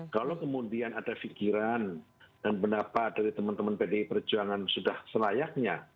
kalau kemudian ada fikiran dan pendapat dari teman teman pdi perjuangan sudah selayaknya